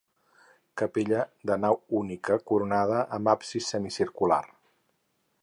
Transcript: Capella de nau única coronada amb absis semicircular.